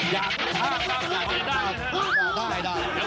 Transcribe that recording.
อยากภาคก็ได้นะครับ